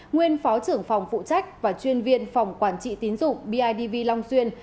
nguyên phó trưởng phòng phụ trách và chuyên viên phòng quản trị tín dụng bidv long xuyên